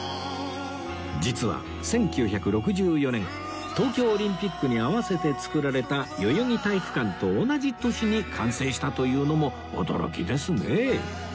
実は１９６４年東京オリンピックに合わせて造られた代々木体育館と同じ年に完成したというのも驚きですね